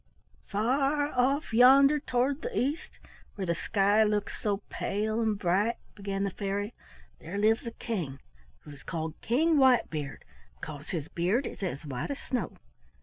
"Far off yonder toward the east, where the sky looks so pale and bright," began the fairy, "there lives a king, who is called King Whitebeard, because his beard is as white as snow.